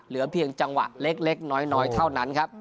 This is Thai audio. เหลือเพียงจังหวะเล็กน้อยเท่านั้นครับ